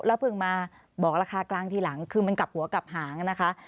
เพิ่งมาบอกราคากลางทีหลังคือมันกลับหัวกลับหางนะคะ